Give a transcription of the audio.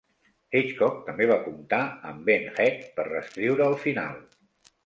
Hitchcock també va comptar amb Ben Hecht per reescriure el final.